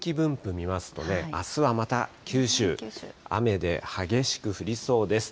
見ますとね、あすはまた九州、雨で激しく降りそうです。